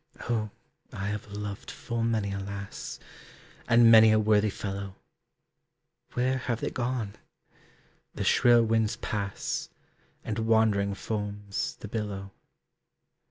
Oh I have loved full many a lass, And many a worthy fellow, Where have they gone? The shrill winds pass, And wandering foams the billow.